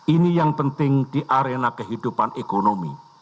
ini yang penting di arena kehidupan ekonomi